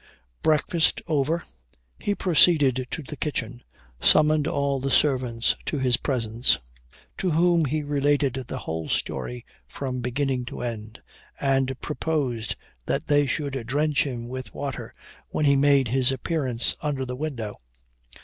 Breakfast over, he proceeded to the kitchen, summoned all the servants to his presence, to whom he related the whole story from beginning to end, and proposed that they should drench him with water when he made his appearance under the window.